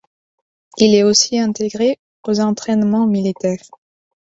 Il est aussi intégré aux entraînements militaires.